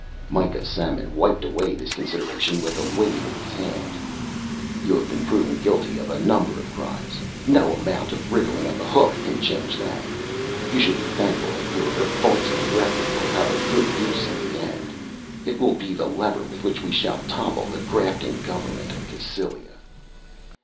Mikah Samon wiped away this consideration with a wave of his hand. "You have been proven guilty of a number of crimes. No amount of wriggling on the hook can change that. You should be thankful that your revolting record will have a good use in the end. It will be the lever with which we shall topple the grafting government of Cassylia."